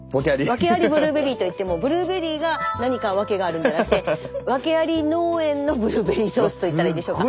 ワケありブルーベリーといってもブルーベリーが何かワケがあるんではなくてワケあり農園のブルーベリーソースといったらいいでしょうか。